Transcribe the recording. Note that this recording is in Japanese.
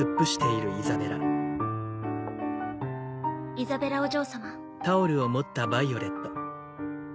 イザベラお嬢様。